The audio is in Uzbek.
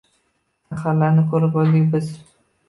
saharlarni koʼrib boʼldik biz.